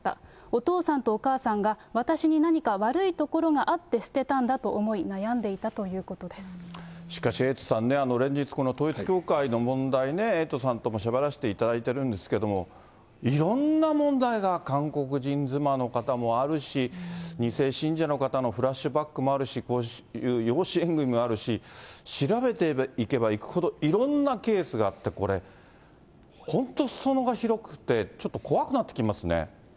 お父さんとお母さんが、私に何か悪いところがあって捨てたんだとしかし、エイトさんね、連日、この統一教会の問題ね、エイトさんともしゃべらせていただいているんですけれども、いろんな問題が、韓国人妻の方もあるし、２世信者の方のフラッシュバックもあるし、こういう養子縁組もあるし、調べていけばいくほど、いろんなケースがあって、これ、本当すそ野が広くて、ちょっと怖くなってきますね。